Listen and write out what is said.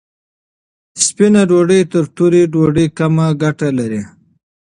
سپینه ډوډۍ تر تورې ډوډۍ کمه ګټه لري.